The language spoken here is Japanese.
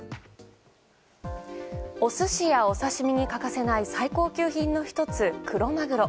お寿司やお刺し身に欠かせない最高級品の１つ、クロマグロ。